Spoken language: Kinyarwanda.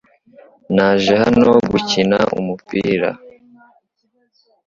Naje hano gukina umupira .